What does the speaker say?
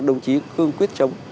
đồng chí không quyết chống